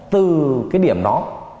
từ cái điểm đó